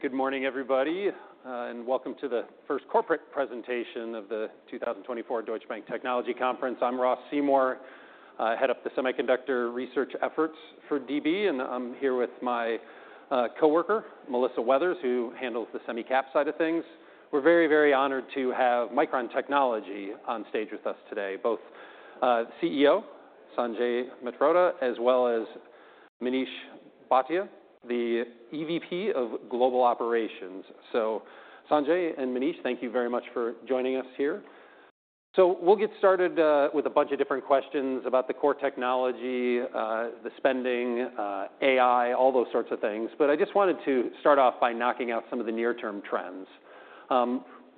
Good morning, everybody, and welcome to the first corporate presentation of the 2024 Deutsche Bank Technology Conference. I'm Ross Seymore. I head up the semiconductor research efforts for DB, and I'm here with my coworker, Melissa Weathers, who handles the semicap side of things. We're very, very honored to have Micron Technology on stage with us today, both CEO Sanjay Mehrotra, as well as Manish Bhatia, the EVP of Global Operations. So Sanjay and Manish, thank you very much for joining us here. So we'll get started with a bunch of different questions about the core technology, the spending, AI, all those sorts of things. But I just wanted to start off by knocking out some of the near-term trends.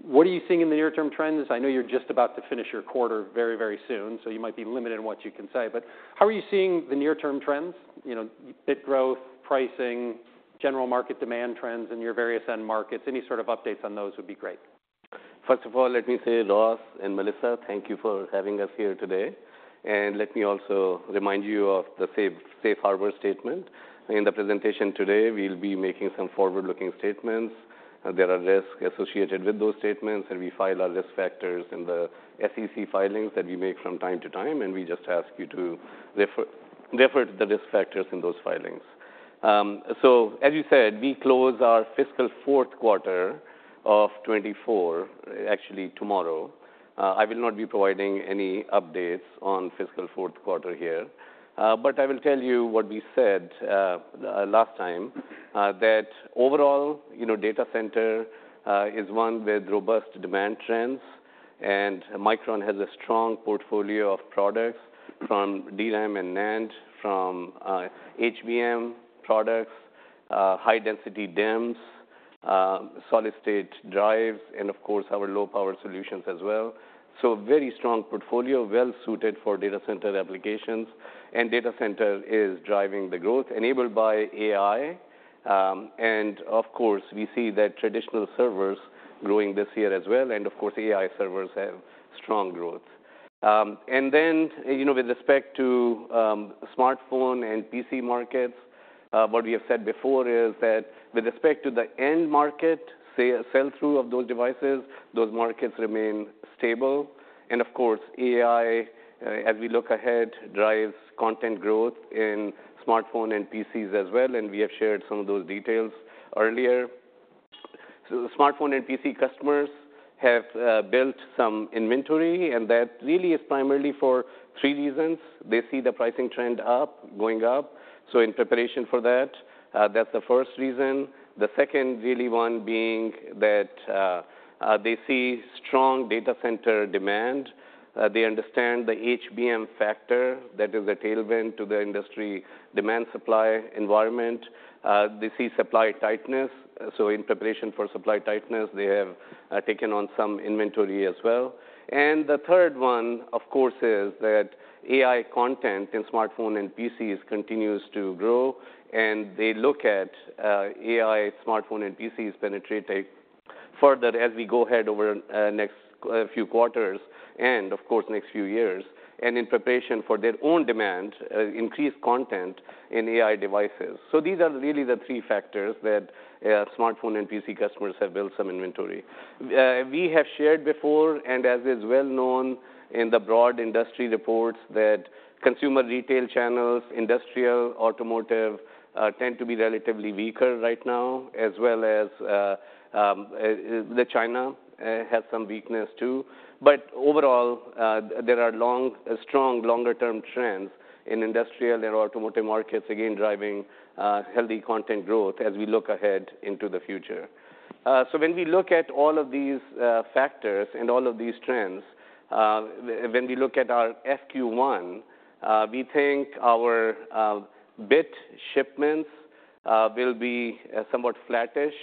What are you seeing in the near-term trends? I know you're just about to finish your quarter very, very soon, so you might be limited in what you can say. But how are you seeing the near-term trends, you know, bit growth, pricing, general market demand trends in your various end markets? Any sort of updates on those would be great. First of all, let me say, Ross and Melissa, thank you for having us here today. And let me also remind you of the safe harbor statement. In the presentation today, we'll be making some forward-looking statements, and there are risks associated with those statements, and we file our risk factors in the SEC filings that we make from time to time, and we just ask you to refer to the risk factors in those filings. So as you said, we close our fiscal fourth quarter of 2024 actually tomorrow. I will not be providing any updates on fiscal fourth quarter here, but I will tell you what we said last time, that overall, you know, data center is one with robust demand trends, and Micron has a strong portfolio of products from DRAM and NAND, from HBM products, high-density DIMMs, solid-state drives, and of course, our low-power solutions as well, so a very strong portfolio, well suited for data center applications, and data center is driving the growth enabled by AI, and of course, we see that traditional servers growing this year as well, and of course, AI servers have strong growth. And then, you know, with respect to smartphone and PC markets, what we have said before is that with respect to the end market, say, a sell-through of those devices, those markets remain stable. And of course, AI, as we look ahead, drives content growth in smartphone and PCs as well, and we have shared some of those details earlier. So the smartphone and PC customers have built some inventory, and that really is primarily for three reasons. They see the pricing trend up, going up, so in preparation for that, that's the first reason. The second really one being that, they see strong data center demand. They understand the HBM factor that is a tailwind to the industry demand-supply environment. They see supply tightness. So in preparation for supply tightness, they have taken on some inventory as well. And the third one, of course, is that AI content in smartphone and PCs continues to grow, and they look at AI smartphone and PCs penetrating further as we go ahead over next few quarters and of course, next few years, and in preparation for their own demand, increased content in AI devices. So these are really the three factors that smartphone and PC customers have built some inventory. We have shared before, and as is well known in the broad industry reports, that consumer retail channels, industrial, automotive tend to be relatively weaker right now, as well as China has some weakness too. But overall, there are long, strong, longer-term trends in industrial and automotive markets, again, driving healthy content growth as we look ahead into the future. So when we look at all of these factors and all of these trends, when we look at our FQ1, we think our bit shipments will be somewhat flattish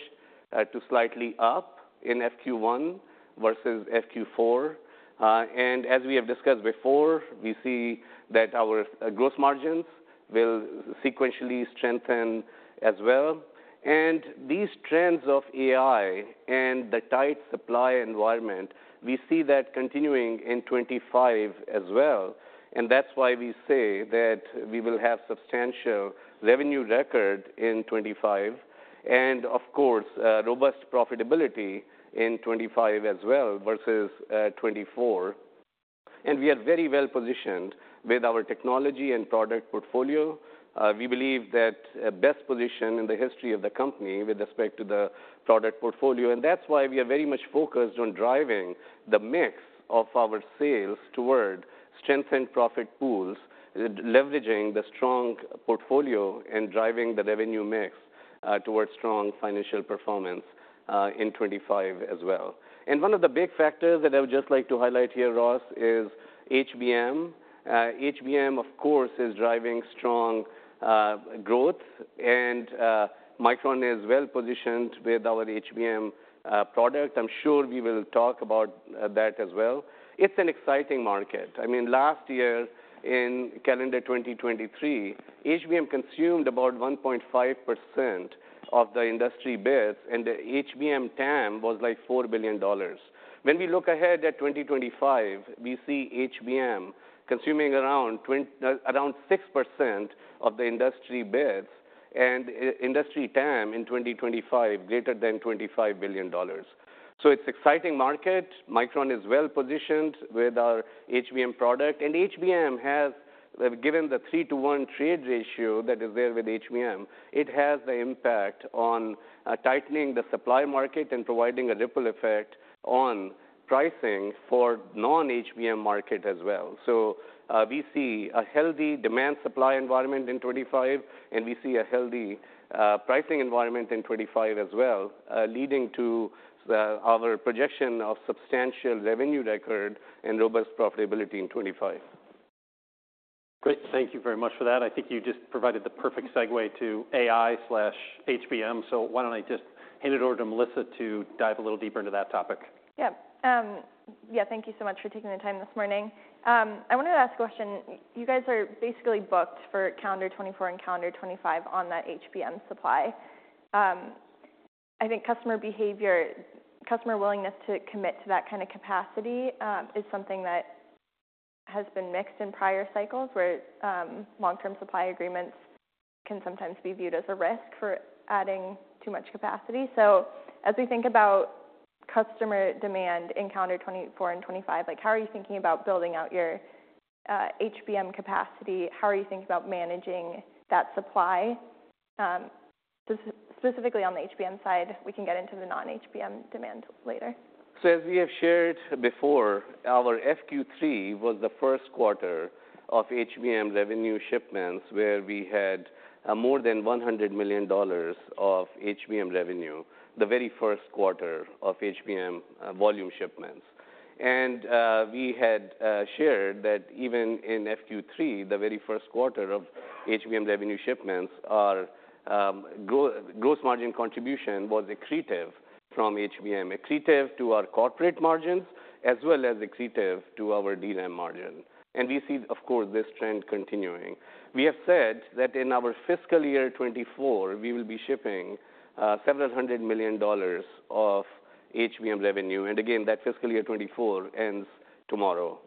to slightly up in FQ1 versus FQ4. And as we have discussed before, we see that our gross margins will sequentially strengthen as well. And these trends of AI and the tight supply environment, we see that continuing in 2025 as well, and that's why we say that we will have substantial revenue record in 2025 and, of course, robust profitability in 2025 as well versus 2024. And we are very well positioned with our technology and product portfolio. We believe that a best position in the history of the company with respect to the product portfolio, and that's why we are very much focused on driving the mix of our sales toward strengthened profit pools, leveraging the strong portfolio and driving the revenue mix, towards strong financial performance, in 2025 as well. And one of the big factors that I would just like to highlight here, Ross, is HBM. HBM, of course, is driving strong growth, and Micron is well positioned with our HBM product. I'm sure we will talk about that as well. It's an exciting market. I mean, last year, in calendar 2023, HBM consumed about 1.5% of the industry bits, and the HBM TAM was, like, $4 billion. When we look ahead at 2025, we see HBM consuming around 6% of the industry bits and industry TAM in 2025, greater than $25 billion. So it's exciting market. Micron is well-positioned with our HBM product, and HBM has, given the 3-to-1 trade ratio that is there with HBM, it has the impact on tightening the supply market and providing a ripple effect on pricing for non-HBM market as well. So we see a healthy demand supply environment in 2025, and we see a healthy pricing environment in 2025 as well, leading to our projection of substantial revenue record and robust profitability in 2025. Great, thank you very much for that. I think you just provided the perfect segue to AI/HBM. So why don't I just hand it over to Melissa to dive a little deeper into that topic? Yeah. Yeah, thank you so much for taking the time this morning. I wanted to ask a question. You guys are basically booked for calendar 2024 and calendar 2025 on that HBM supply. I think customer behavior, customer willingness to commit to that kind of capacity, is something that has been mixed in prior cycles, where long-term supply agreements can sometimes be viewed as a risk for adding too much capacity. So as we think about customer demand in calendar 2024 and 2025, like, how are you thinking about building out your HBM capacity? How are you thinking about managing that supply, specifically on the HBM side? We can get into the non-HBM demand later. As we have shared before, our FQ3 was the first quarter of HBM revenue shipments, where we had more than $100 million of HBM revenue, the very first quarter of HBM volume shipments. We had shared that even in FQ3, the very first quarter of HBM revenue shipments, our gross margin contribution was accretive from HBM. Accretive to our corporate margins, as well as accretive to our DRAM margin. We see, of course, this trend continuing. We have said that in our fiscal year 2024, we will be shipping several hundred million dollars of HBM revenue, and again, that fiscal year 2024 ends tomorrow.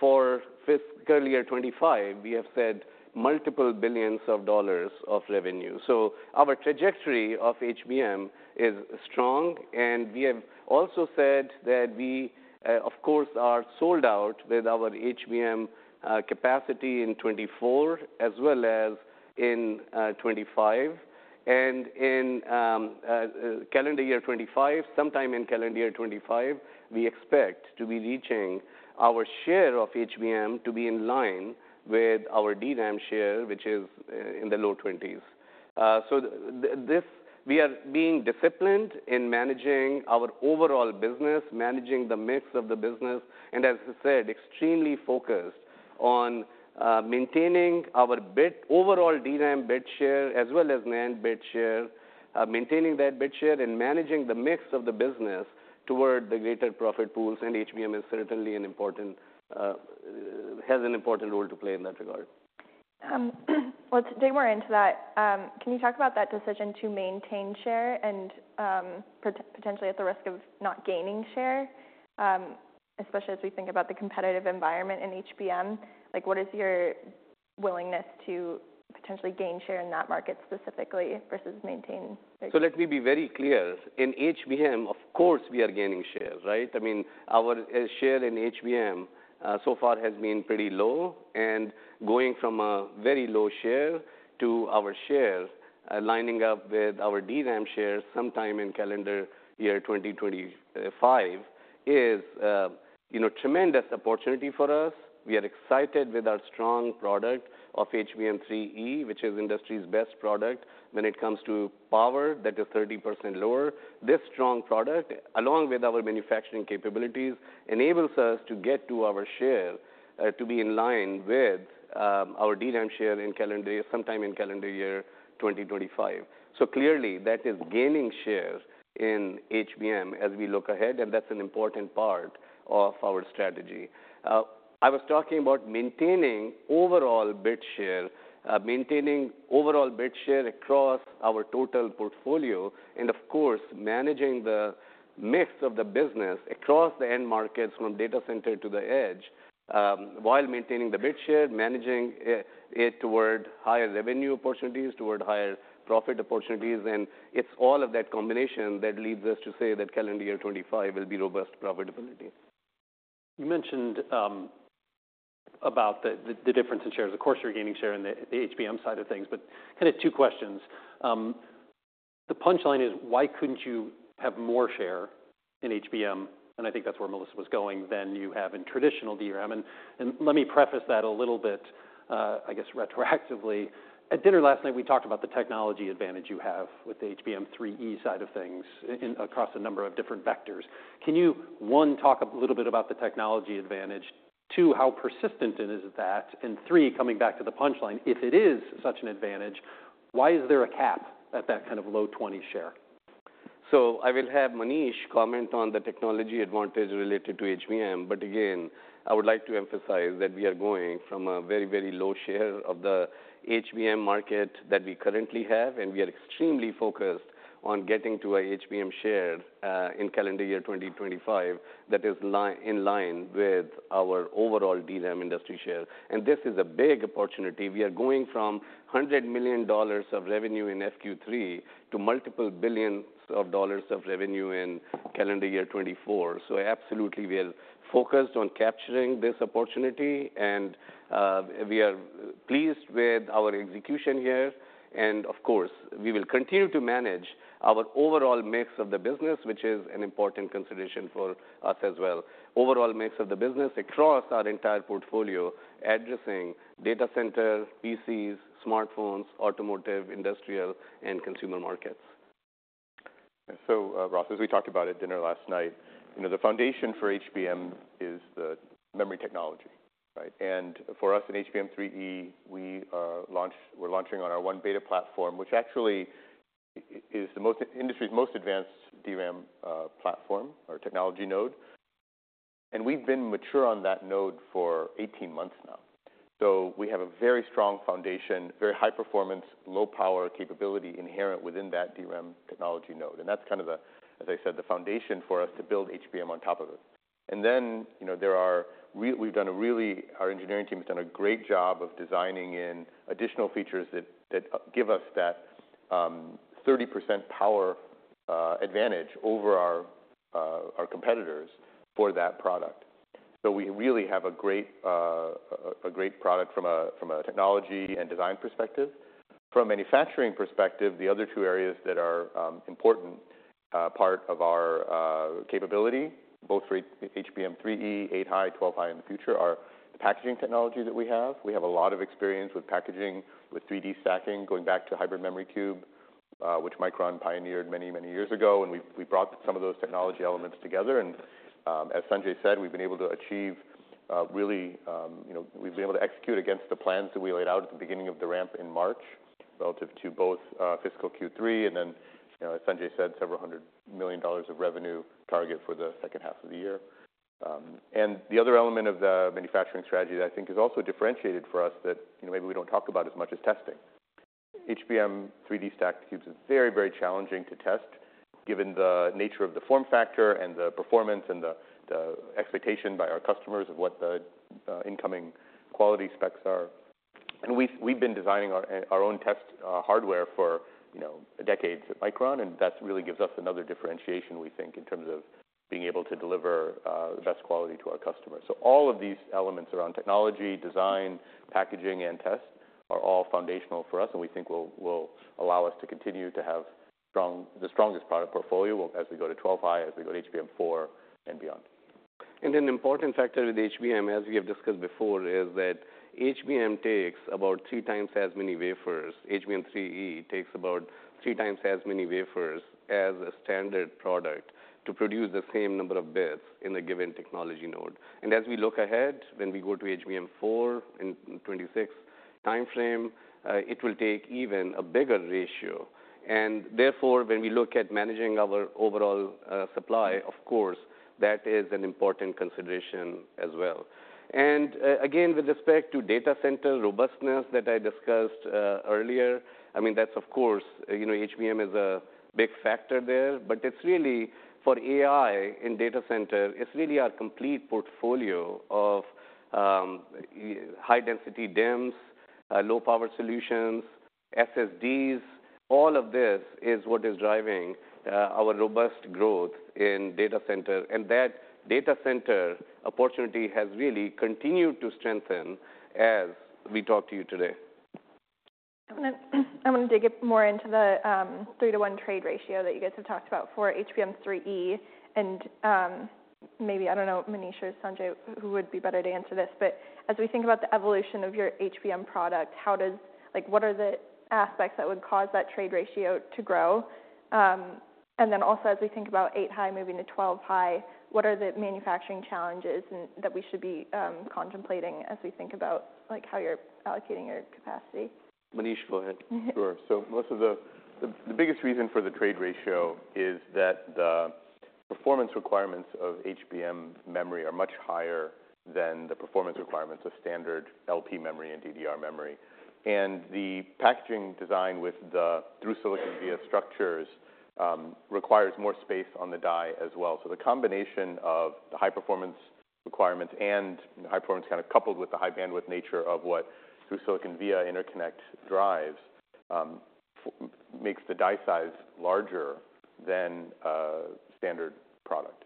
For fiscal year 2025, we have said multiple billions of dollars of revenue. So our trajectory of HBM is strong, and we have also said that we, of course, are sold out with our HBM capacity in 2024, as well as in 2025. And in calendar year 2025, sometime in calendar year 2025, we expect to be reaching our share of HBM to be in line with our DRAM share, which is in the low twenties. So we are being disciplined in managing our overall business, managing the mix of the business, and as I said, extremely focused on maintaining our bit, overall DRAM bit share, as well as NAND bit share. Maintaining that bit share and managing the mix of the business toward the greater profit pools, and HBM is certainly an important, has an important role to play in that regard. Well, today we're into that. Can you talk about that decision to maintain share and, potentially at the risk of not gaining share, especially as we think about the competitive environment in HBM? Like, what is your willingness to potentially gain share in that market specifically versus maintaining? So let me be very clear. In HBM, of course, we are gaining share, right? I mean, our share in HBM so far has been pretty low, and going from a very low share to our share lining up with our DRAM share sometime in calendar year 2025 is, you know, tremendous opportunity for us. We are excited with our strong product of HBM3E, which is industry's best product when it comes to power, that is 30% lower. This strong product, along with our manufacturing capabilities, enables us to get to our share to be in line with our DRAM share in calendar, sometime in calendar year 2025. So clearly that is gaining share in HBM as we look ahead, and that's an important part of our strategy. I was talking about maintaining overall bit share across our total portfolio, and of course, managing the mix of the business across the end markets, from data center to the edge, while maintaining the bit share, managing it toward higher revenue opportunities, toward higher profit opportunities, and it's all of that combination that leads us to say that calendar year 2025 will be robust profitability. You mentioned about the difference in shares. Of course, you're gaining share in the HBM side of things, but kind of two questions. The punchline is, why couldn't you have more share in HBM, and I think that's where Melissa was going, than you have in traditional DRAM? Let me preface that a little bit, I guess, retroactively. At dinner last night, we talked about the technology advantage you have with the HBM3E side of things in across a number of different vectors. Can you, one, talk a little bit about the technology advantage? Two, how persistent is that? And three, coming back to the punchline, if it is such an advantage, why is there a cap at that kind of low twenty share? So I will have Manish comment on the technology advantage related to HBM. But again, I would like to emphasize that we are going from a very, very low share of the HBM market that we currently have, and we are extremely focused on getting to a HBM share in calendar year 2025 that is in line with our overall DRAM industry share. And this is a big opportunity. We are going from $100 million of revenue in FQ3 to multiple billions of dollars of revenue in calendar year 2024. So absolutely, we are focused on capturing this opportunity, and we are pleased with our execution here. And of course, we will continue to manage our overall mix of the business, which is an important consideration for us as well. Overall mix of the business across our entire portfolio, addressing data center, PCs, smartphones, automotive, industrial, and consumer markets. And so, Ross, as we talked about at dinner last night, you know, the foundation for HBM is the memory technology, right? And for us, in HBM3E, we're launching on our 1-beta platform, which actually is the industry's most advanced DRAM platform or technology node. And we've been mature on that node for 18 months now. So we have a very strong foundation, very high performance, low power capability inherent within that DRAM technology node, and that's kind of the, as I said, the foundation for us to build HBM on top of it. And then, you know, there are; our engineering team has done a great job of designing in additional features that give us that 30% power advantage over our competitors for that product. So we really have a great product from a technology and design perspective. From a manufacturing perspective, the other two areas that are important part of our capability, both for HBM3E, 8-high, 12-high in the future, are the packaging technology that we have. We have a lot of experience with packaging, with 3D stacking, going back to Hybrid Memory Cube, which Micron pioneered many, many years ago, and we brought some of those technology elements together. As Sanjay said, we've been able to achieve, really, you know, we've been able to execute against the plans that we laid out at the beginning of the ramp in March, relative to both fiscal Q3, and then, you know, as Sanjay said, several hundred million revenue target for the second half of the year. The other element of the manufacturing strategy that I think is also differentiated for us, you know, maybe we don't talk about as much as testing. HBM 3D stacked cubes is very, very challenging to test, given the nature of the form factor and the performance and the expectation by our customers of what the incoming quality specs are. We've been designing our own test hardware for, you know, decades at Micron, and that really gives us another differentiation, we think, in terms of being able to deliver the best quality to our customers. So all of these elements around technology, design, packaging, and test are all foundational for us and we think will allow us to continue to have the strongest product portfolio as we go to 12-high, as we go to HBM4 and beyond. And an important factor with HBM, as we have discussed before, is that HBM takes about three times as many wafers. HBM3E takes about three times as many wafers as a standard product to produce the same number of bits in a given technology node. And as we look ahead, when we go to HBM4 in 2026 timeframe, it will take even a bigger ratio. And therefore, when we look at managing our overall supply, of course, that is an important consideration as well. And again, with respect to data center robustness that I discussed earlier, I mean, that's of course, you know, HBM is a big factor there, but it's really for AI in data center, it's really our complete portfolio of high density DIMMs, low power solutions, SSDs. All of this is what is driving our robust growth in data center, and that data center opportunity has really continued to strengthen as we talk to you today. I'm gonna dig more into the three-to-one trade ratio that you guys have talked about for HBM3E, and maybe, I don't know, Manish or Sanjay, who would be better to answer this? But as we think about the evolution of your HBM product, how does, like, what are the aspects that would cause that trade ratio to grow? And then also, as we think about 8-high moving to 12-high, what are the manufacturing challenges and that we should be contemplating as we think about, like, how you're allocating your capacity? Manish, go ahead. Sure. So most of the biggest reason for the trade ratio is that the performance requirements of HBM memory are much higher than the performance requirements of standard LP memory and DDR memory. And the packaging design with the through-silicon via structures requires more space on the die as well. So the combination of the high performance requirements and the high performance kind of coupled with the high bandwidth nature of what through-silicon via interconnect drives makes the die size larger than a standard product,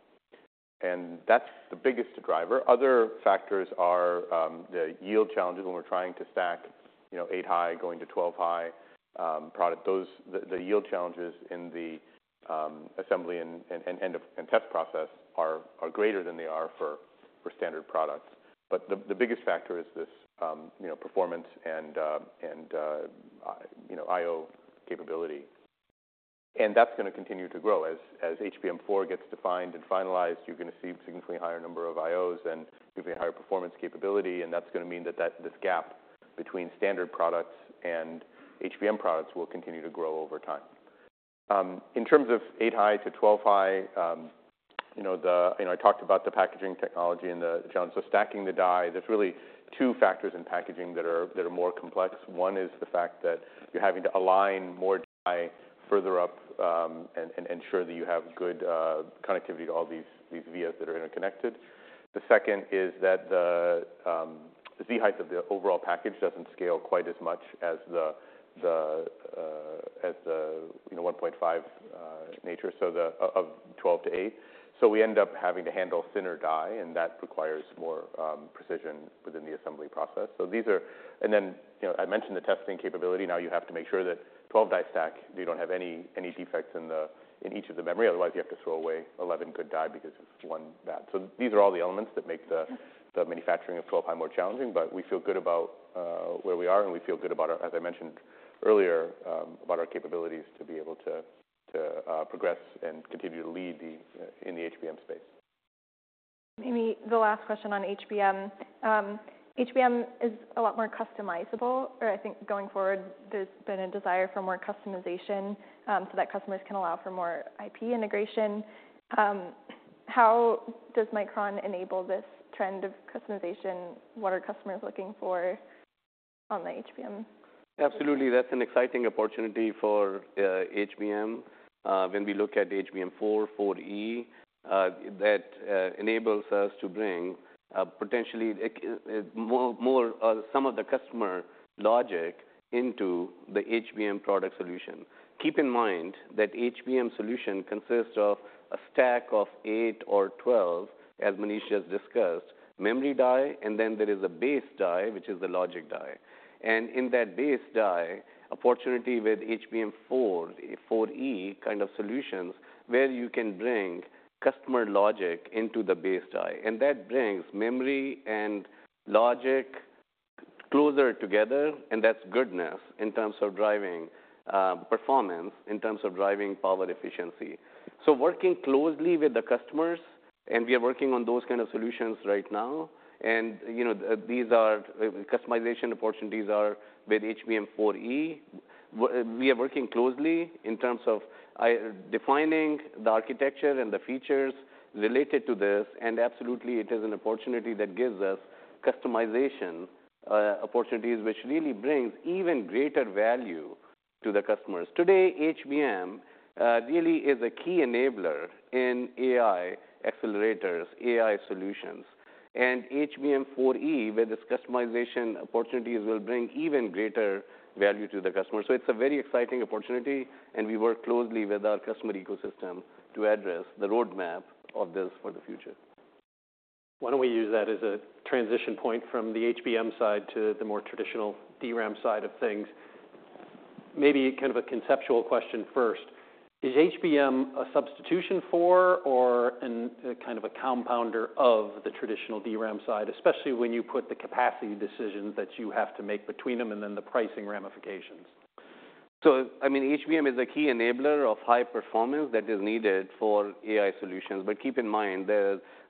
and that's the biggest driver. Other factors are the yield challenges when we're trying to stack, you know, 8-high going to 12-high product. Those, the yield challenges in the assembly and test process are greater than they are for standard products. But the biggest factor is this, you know, performance and IO capability. And that's gonna continue to grow, as HBM4 gets defined and finalized, you're gonna see a significantly higher number of IOs and significantly higher performance capability, and that's gonna mean that this gap between standard products and HBM products will continue to grow over time. In terms of 8-high to 12-high, you know, the, I talked about the packaging technology and the challenge of stacking the die. There's really two factors in packaging that are more complex. One is the fact that you're having to align more die further up, and ensure that you have good connectivity to all these vias that are interconnected. The second is that the Z-height of the overall package doesn't scale quite as much as the, as the, you know, one point five nature, so of the twelve to eight. So we end up having to handle thinner die, and that requires more precision within the assembly process. So these are. And then, you know, I mentioned the testing capability. Now, you have to make sure that 12-die stack, you don't have any defects in each of the memory. Otherwise, you have to throw away 11 good die because of one bad. So these are all the elements that make the manufacturing of 12-high more challenging, but we feel good about where we are, and we feel good about our, as I mentioned earlier, about our capabilities to be able to progress and continue to lead in the HBM space. Maybe the last question on HBM. HBM is a lot more customizable, or I think going forward, there's been a desire for more customization, so that customers can allow for more IP integration. How does Micron enable this trend of customization? What are customers looking for on the HBM? Absolutely. That's an exciting opportunity for HBM. When we look at HBM4, 4E, that enables us to bring potentially more some of the customer logic into the HBM product solution. Keep in mind that HBM solution consists of a stack of eight or 12, as Manish has discussed, memory die, and then there is a base die, which is the logic die. In that base die, unfortunately, with HBM4, 4E kind of solutions, where you can bring customer logic into the base die, and that brings memory and logic closer together, and that's goodness in terms of driving performance, in terms of driving power efficiency. Working closely with the customers, and we are working on those kind of solutions right now, and you know, these are customization opportunities with HBM4E. We are working closely in terms of defining the architecture and the features related to this, and absolutely, it is an opportunity that gives us customization, opportunities, which really brings even greater value to the customers. Today, HBM really is a key enabler in AI accelerators, AI solutions, and HBM4E, where this customization opportunities will bring even greater value to the customer. So it's a very exciting opportunity, and we work closely with our customer ecosystem to address the roadmap of this for the future. Why don't we use that as a transition point from the HBM side to the more traditional DRAM side of things? Maybe kind of a conceptual question first. Is HBM a substitution for, or an, a kind of a compounder of the traditional DRAM side, especially when you put the capacity decisions that you have to make between them and then the pricing ramifications? I mean, HBM is a key enabler of high performance that is needed for AI solutions. But keep in mind,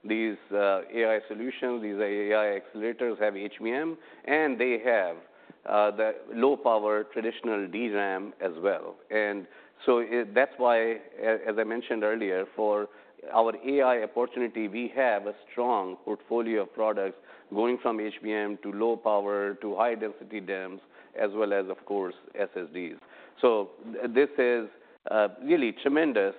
these AI solutions, these AI accelerators have HBM, and they have the low-power traditional DRAM as well. And so that's why, as I mentioned earlier, for our AI opportunity, we have a strong portfolio of products going from HBM to low power, to high-density DIMMs, as well as, of course, SSDs. So this is a really tremendous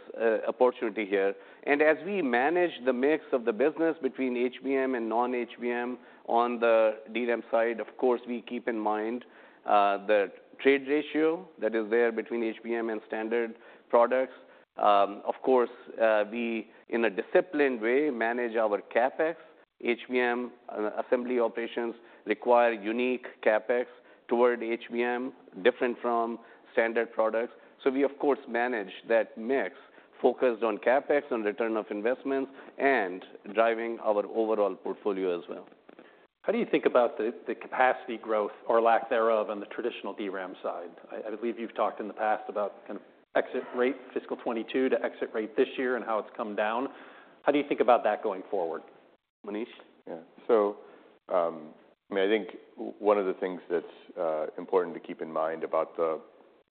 opportunity here. And as we manage the mix of the business between HBM and non-HBM on the DRAM side, of course, we keep in mind the trade ratio that is there between HBM and standard products. Of course, we in a disciplined way manage our CapEx. HBM assembly operations require unique CapEx toward HBM, different from standard products. So we, of course, manage that mix, focused on CapEx, on return on investments, and driving our overall portfolio as well. How do you think about the capacity growth or lack thereof on the traditional DRAM side? I believe you've talked in the past about kind of exit rate, fiscal 2022 to exit rate this year and how it's come down. How do you think about that going forward? Manish? Yeah. So, I mean, I think one of the things that's important to keep in mind about the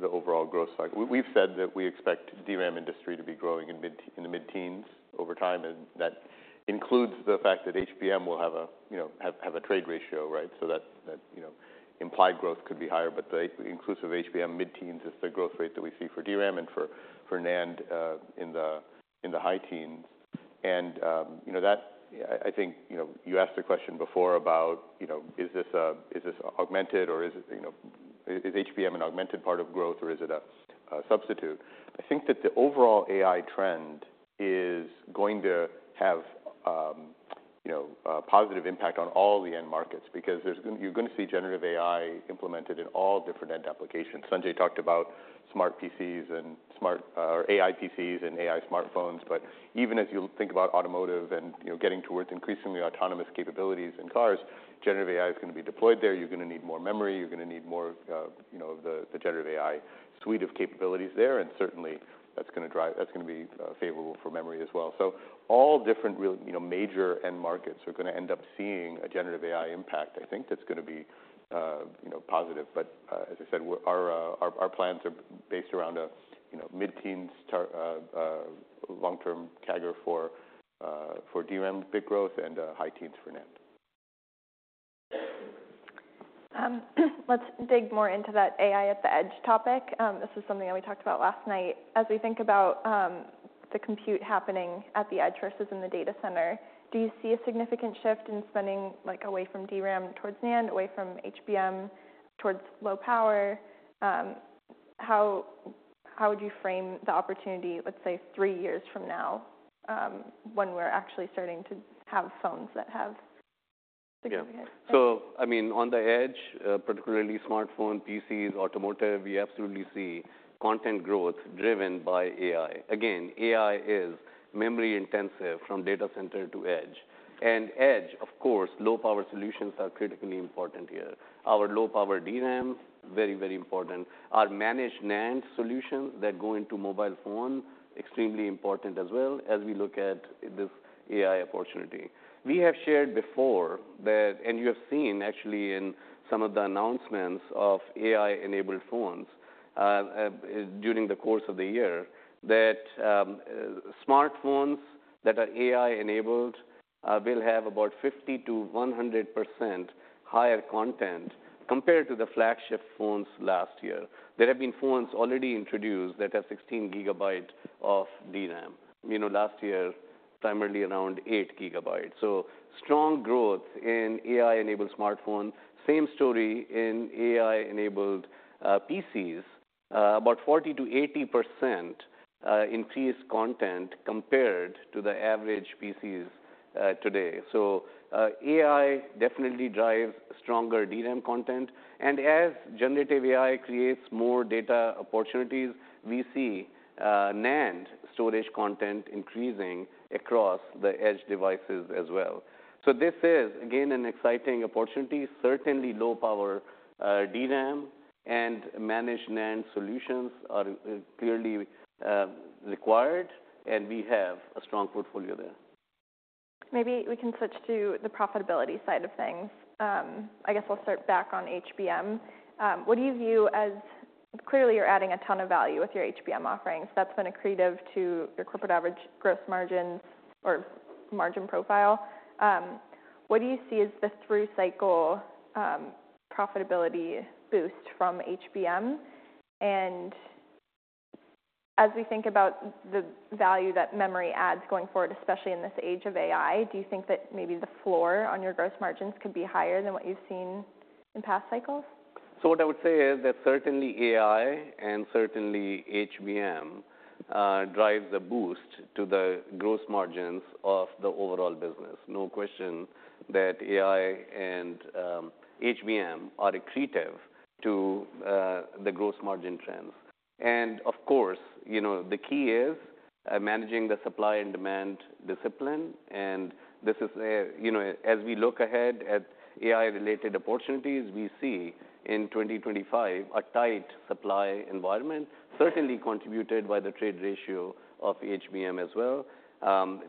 overall growth cycle, we've said that we expect the DRAM industry to be growing in mid, in the mid-teens over time, and that includes the fact that HBM will have a, you know, have a trade ratio, right? So that, you know, implied growth could be higher, but the inclusive HBM mid-teens is the growth rate that we see for DRAM and for NAND in the high-teens. And, you know, that I think, you know, you asked a question before about, you know, is this augmented or is it, you know, is HBM an augmented part of growth or is it a substitute? I think that the overall AI trend is going to have, you know, a positive impact on all the end markets, because there's, you're going to see generative AI implemented in all different end applications. Sanjay talked about smart PCs and smart AI PCs and AI smartphones, but even as you think about automotive and, you know, getting towards increasingly autonomous capabilities in cars, generative AI is going to be deployed there. You're gonna need more memory, you're gonna need more, you know, the generative AI suite of capabilities there, and certainly that's gonna be favorable for memory as well. So all different real, you know, major end markets are gonna end up seeing a generative AI impact. I think that's gonna be, you know, positive, but, as I said, our plans are based around a, you know, mid-teens long-term CAGR for DRAM bit growth and high-teens for NAND. Let's dig more into that AI at the edge topic. This is something that we talked about last night. As we think about, the compute happening at the edge versus in the data center, do you see a significant shift in spending, like, away from DRAM towards NAND, away from HBM towards low power? How would you frame the opportunity, let's say, three years from now, when we're actually starting to have phones that have significant- Yeah. So, I mean, on the edge, particularly smartphone, PCs, automotive, we absolutely see content growth driven by AI. Again, AI is memory intensive from data center to edge. And edge, of course, low-power solutions are critically important here. Our low-power DRAM, very, very important. Our managed NAND solutions that go into mobile phone, extremely important as well as we look at this AI opportunity. We have shared before that, and you have seen actually in some of the announcements of AI-enabled phones during the course of the year, that smartphones that are AI-enabled will have about 50%-100% higher content compared to the flagship phones last year. There have been phones already introduced that have 16 gigabytes of DRAM. You know, last year, primarily around 8 gigabytes. So strong growth in AI-enabled smartphone. Same story in AI-enabled PCs. about 40%-80% increased content compared to the average PCs today. So, AI definitely drives stronger DRAM content, and as generative AI creates more data opportunities, we see NAND storage content increasing across the edge devices as well. So this is, again, an exciting opportunity. Certainly, low-power DRAM and managed NAND solutions are clearly required, and we have a strong portfolio there. Maybe we can switch to the profitability side of things. I guess I'll start back on HBM. What do you view as; clearly, you're adding a ton of value with your HBM offerings. That's been accretive to your corporate average gross margins or margin profile. What do you see as the through cycle profitability boost from HBM? And as we think about the value that memory adds going forward, especially in this age of AI, do you think that maybe the floor on your gross margins could be higher than what you've seen in past cycles? So what I would say is that certainly AI and certainly HBM drives a boost to the gross margins of the overall business. No question that AI and HBM are accretive to the gross margin trends. And of course, you know, the key is managing the supply and demand discipline. And this is, you know, as we look ahead at AI-related opportunities, we see in 2025 a tight supply environment, certainly contributed by the trade ratio of HBM as well.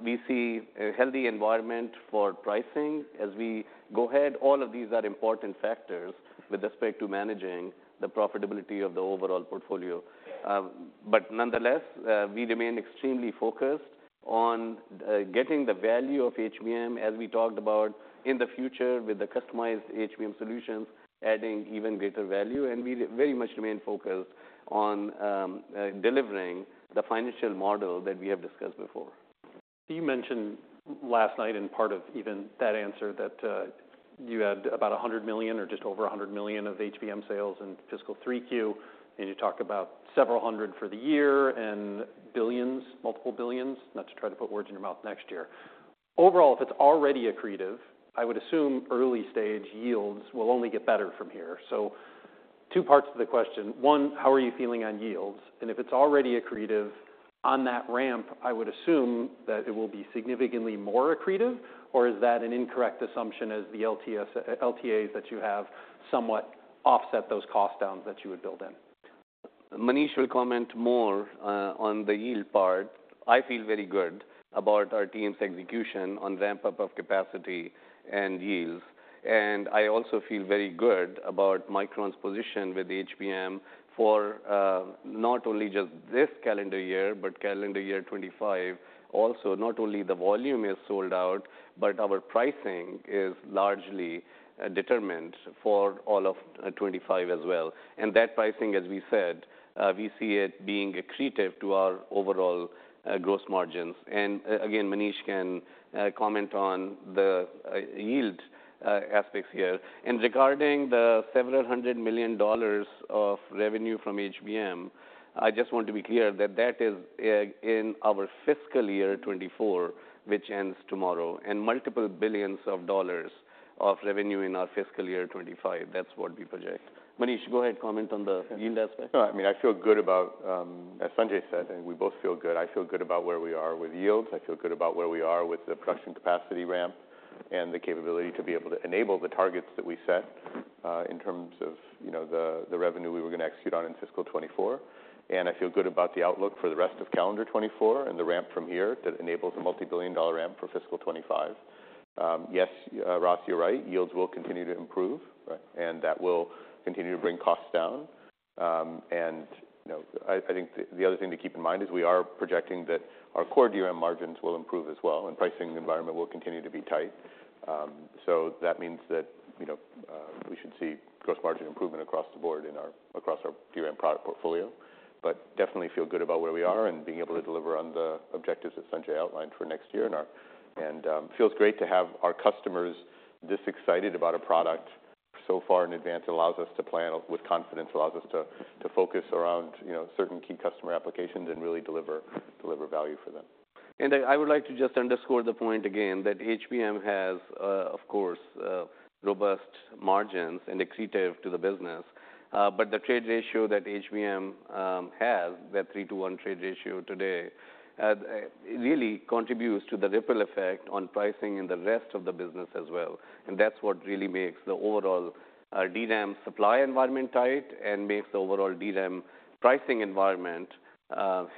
We see a healthy environment for pricing. As we go ahead, all of these are important factors with respect to managing the profitability of the overall portfolio. But nonetheless, we remain extremely focused on getting the value of HBM, as we talked about in the future, with the customized HBM solutions adding even greater value, and we very much remain focused on delivering the financial model that we have discussed before. You mentioned last night, in part of even that answer, that you had about $100 million or just over $100 million of HBM sales in fiscal 3Q, and you talked about several hundred for the year and billions, multiple billions, not to try to put words in your mouth next year. Overall, if it's already accretive, I would assume early stage yields will only get better from here. So two parts to the question. One, how are you feeling on yields? And if it's already accretive on that ramp, I would assume that it will be significantly more accretive, or is that an incorrect assumption as the LTAs that you have somewhat offset those cost downs that you would build in? Manish will comment more on the yield part. I feel very good about our team's execution on ramp-up of capacity and yields, and I also feel very good about Micron's position with HBM for not only just this calendar year, but calendar year 2025 also. Not only the volume is sold out, but our pricing is largely determined for all of 2025 as well. And that pricing, as we said, we see it being accretive to our overall gross margins. And again, Manish can comment on the yield aspects here. And regarding the several hundred million of revenue from HBM, I just want to be clear that that is in our fiscal year 2024, which ends tomorrow, and multiple billions of revenue in our fiscal year 2025. That's what we project. Manish, go ahead, comment on the yield aspect. No, I mean, I feel good about, as Sanjay said, and we both feel good. I feel good about where we are with yields. I feel good about where we are with the production capacity ramp and the capability to be able to enable the targets that we set, in terms of, you know, the revenue we were going to execute on in fiscal 2024. And I feel good about the outlook for the rest of calendar 2024 and the ramp from here that enables a multi-billion-dollar ramp for fiscal 2025. Yes, Ross, you're right, yields will continue to improve, right? And that will continue to bring costs down. And, you know, I think the other thing to keep in mind is we are projecting that our core DRAM margins will improve as well, and pricing environment will continue to be tight. So that means that, you know, we should see gross margin improvement across the board across our DRAM product portfolio. But definitely feel good about where we are and being able to deliver on the objectives that Sanjay outlined for next year, and feels great to have our customers this excited about a product so far in advance. It allows us to plan with confidence, allows us to focus around, you know, certain key customer applications and really deliver value for them. And I would like to just underscore the point again that HBM has, of course, robust margins and accretive to the business. But the trade ratio that HBM has, that three-to-one trade ratio today, really contributes to the ripple effect on pricing in the rest of the business as well, and that's what really makes the overall DRAM supply environment tight and makes the overall DRAM pricing environment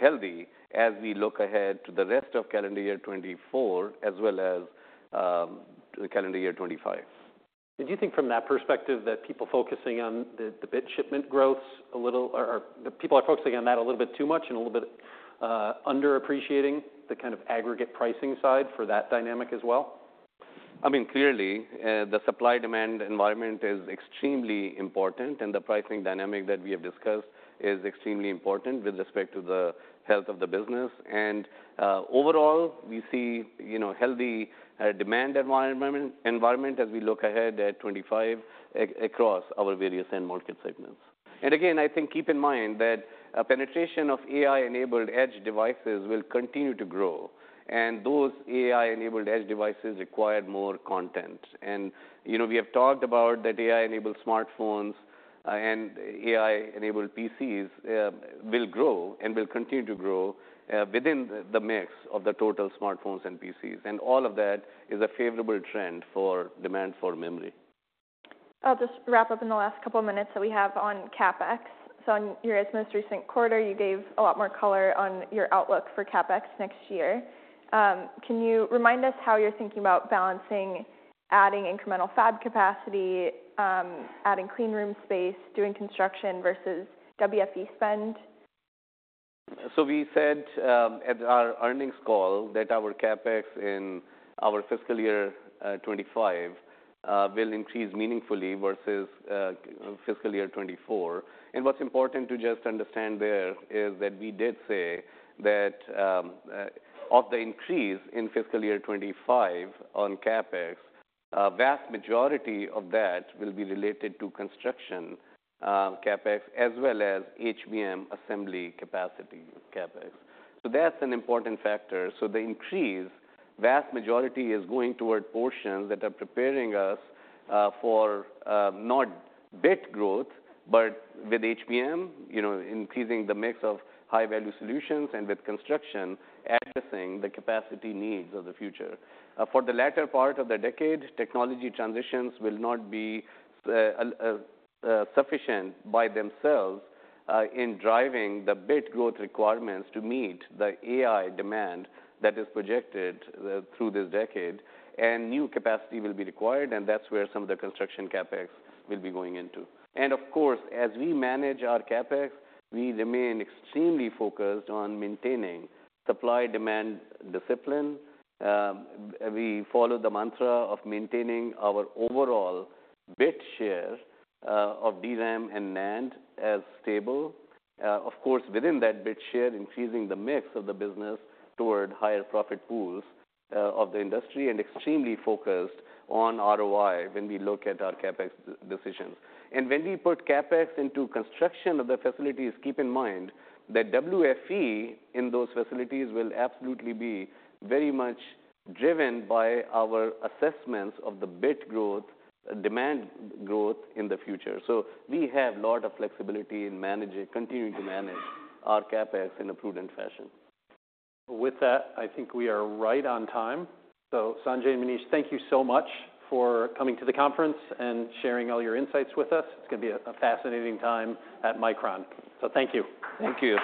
healthy as we look ahead to the rest of calendar year 2024, as well as to the calendar year 2025. Do you think from that perspective, that people focusing on the bit shipment growth a little or the people are focusing on that a little bit too much and a little bit underappreciating the kind of aggregate pricing side for that dynamic as well? I mean, clearly, the supply-demand environment is extremely important, and the pricing dynamic that we have discussed is extremely important with respect to the health of the business. And, overall, we see, you know, healthy, demand environment as we look ahead at 2025 across our various end market segments. And again, I think keep in mind that a penetration of AI-enabled edge devices will continue to grow, and those AI-enabled edge devices require more content. And, you know, we have talked about that AI-enabled smartphones and AI-enabled PCs will grow and will continue to grow within the mix of the total smartphones and PCs, and all of that is a favorable trend for demand for memory. I'll just wrap up in the last couple minutes that we have on CapEx. So in your most recent quarter, you gave a lot more color on your outlook for CapEx next year. Can you remind us how you're thinking about balancing adding incremental fab capacity, adding clean room space, doing construction versus WFE spend? So we said at our earnings call that our CapEx in our fiscal year 2025 will increase meaningfully versus fiscal year 2024. And what's important to just understand there is that we did say that of the increase in fiscal year 2025 on CapEx, a vast majority of that will be related to construction CapEx, as well as HBM assembly capacity CapEx. So that's an important factor. So the increase, vast majority, is going toward portions that are preparing us for not bit growth, but with HBM, you know, increasing the mix of high-value solutions, and with construction, addressing the capacity needs of the future. For the latter part of the decade, technology transitions will not be sufficient by themselves in driving the bit growth requirements to meet the AI demand that is projected through this decade, and new capacity will be required, and that's where some of the construction CapEx will be going into. And of course, as we manage our CapEx, we remain extremely focused on maintaining supply-demand discipline. We follow the mantra of maintaining our overall bit share of DRAM and NAND as stable. Of course, within that bit share, increasing the mix of the business toward higher profit pools of the industry, and extremely focused on ROI when we look at our CapEx decisions. When we put CapEx into construction of the facilities, keep in mind that WFE in those facilities will absolutely be very much driven by our assessments of the bit growth, demand growth in the future. We have a lot of flexibility in managing, continuing to manage our CapEx in a prudent fashion. With that, I think we are right on time. So Sanjay and Manish, thank you so much for coming to the conference and sharing all your insights with us. It's gonna be a fascinating time at Micron, so thank you. Thank you.